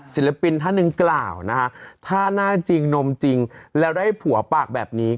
ศิลปินท่านหนึ่งกล่าวนะคะถ้าหน้าจริงนมจริงแล้วได้ผัวปากแบบนี้